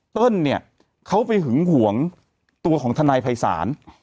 เนี่ยเขาไปหึงห่วงตัวของทนายภัยศาล